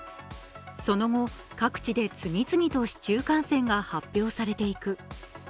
その後、各地で次々と市中感染が発表されていく。